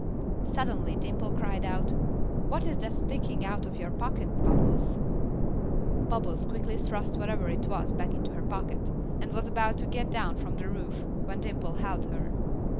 Suddenly Dimple cried out, "What is that sticking out of your pocket, Bubbles?" Bubbles quickly thrust whatever it was back into her pocket, and was about to get down from the roof, when Dimple held her.